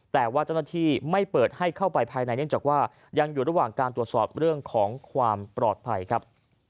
แต่ว่าเจ้าหน้าที่ไม่เปิดให้เข้าไปภายในเนื่องจากว่ายังอยู่ระหว่างการตรวจสอบเรื่องของความปลอดภัยครับ